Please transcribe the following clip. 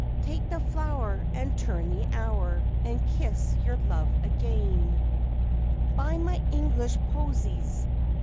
Take the flower and turn the hour, and kiss your love again! Buy my English posies!